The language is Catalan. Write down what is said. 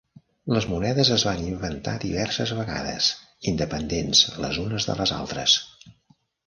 Les monedes es van inventar diverses vegades independents les unes de les altres.